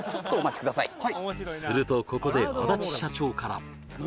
はいするとここで安達社長から何？